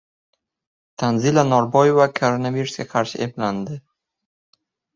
Tanzila Norbayeva koronavirusga qarshi emlandi